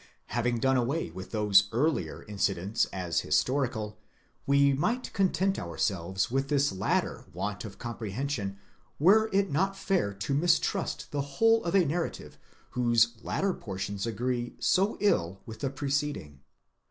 Having done away with those earlier incidents as historical, we might content ourselves with this later want of comprehension, were it not fair to mistrust the whole of a narrative whose later portions agree so ill with the preceding.